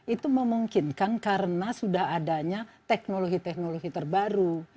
itu memungkinkan karena sudah adanya teknologi teknologi terbaru